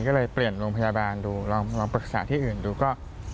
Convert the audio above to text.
ก็เลยเปลี่ยนโรงพยาบาลดูลองปรึกษาที่อื่นดูก็